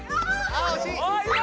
ああおしい！